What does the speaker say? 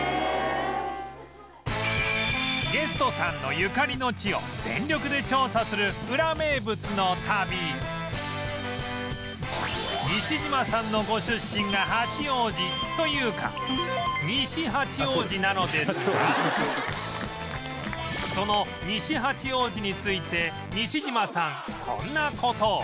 ゲストさんのゆかりの地を全力で調査するウラ名物の旅西島さんのご出身が八王子というか西八王子なのですがその西八王子について西島さんこんな事を